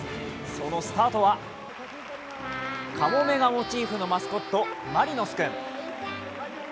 そのスターはカモメがモチーフのマスコット、マリノス君。